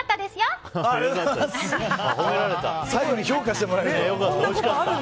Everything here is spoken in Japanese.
最後に評価してもらえるとは。